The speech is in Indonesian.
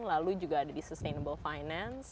lalu juga ada di sustainable finance